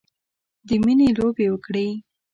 د میینې لوبې وکړې